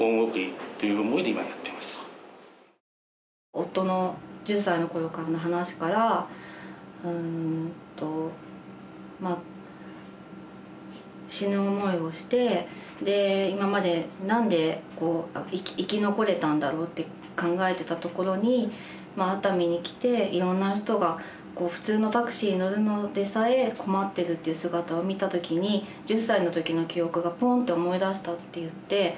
夫の１０歳のころからの話から死ぬ思いをして今までなんで生き残れたんだろうって考えてたところに熱海に来ていろんな人が普通のタクシーに乗るのでさえ困ってるという姿を見たときに１０歳のときの記憶がポンッて思い出したって言って。